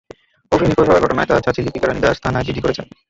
অভি নিখোঁজ হওয়ার ঘটনায় তাঁর চাচি লিপিকা রানী দাস থানায় জিডি করেছেন।